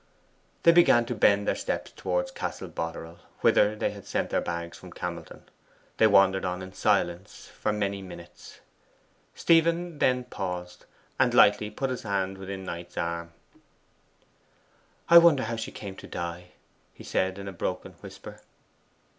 They began to bend their steps towards Castle Boterel, whither they had sent their bags from Camelton. They wandered on in silence for many minutes. Stephen then paused, and lightly put his hand within Knight's arm. 'I wonder how she came to die,' he said in a broken whisper.